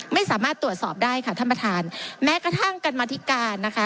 ไม่สามารถตรวจสอบได้ค่ะท่านประธานแม้กระทั่งกรรมธิการนะคะ